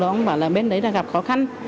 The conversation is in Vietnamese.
ông bảo là bên đấy gặp khó khăn